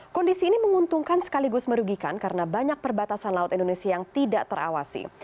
kondisi ini menguntungkan sekaligus merugikan karena banyak perbatasan laut indonesia yang tidak terawasi